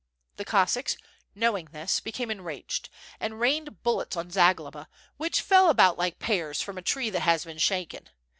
The Cossacks knowing this, became enraged, and rained bullets on Zagloba, which fell about like pears from a tree that has been shaken.